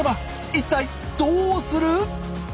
一体どうする？